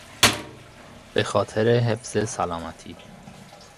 به خاطر حفظ سلامتی